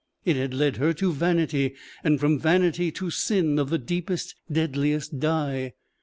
It had led her to vanity, and from vanity to sin of the deepest, deadliest dye.